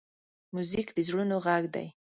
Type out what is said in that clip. موزیک د زړونو غږ دی.